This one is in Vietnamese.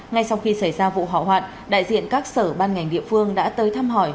ngay sau khi xảy ra vụ hỏa hoạn đại diện các sở ban ngành địa phương đã tới thăm hỏi